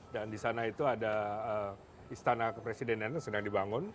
dan di sana itu ada istana kepresiden yang sedang dibangun